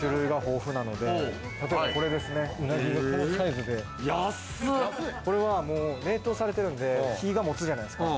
うなぎ、このサイズでこれは、もう冷凍されてるんで日がもつじゃないですか。